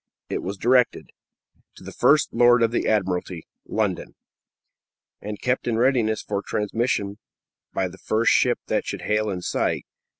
It was directed: To the First Lord of the Admiralty, London, and kept in readiness for transmission by the first ship that should hail in sight.